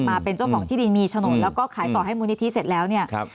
มาเป็นเจ้าของที่ดินมีโฉนดแล้วก็ขายต่อให้มูลนิธิเสร็จแล้วเนี่ยครับ